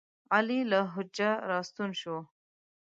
علي له حجه راستون شو.